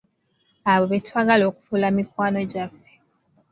Abo betwagala okufuula mikwano gyaffe.